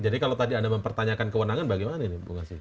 jadi kalau tadi anda mempertanyakan kewenangan bagaimana ini